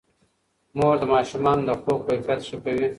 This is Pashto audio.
مور د ماشومانو د خوب کیفیت ښه کوي.